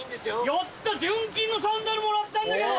やった純金のサンダルもらったんだけど！